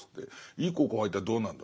「いい高校入ったらどうなるんだ」。